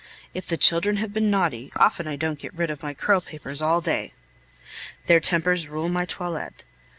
If the children have been naughty, often I don't get rid of my curl papers all day. Their tempers rule my toilet.